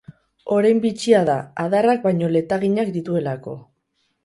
Orein bitxia da, adarrak baino letaginak dituelako.